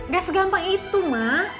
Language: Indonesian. gak segampang itu ma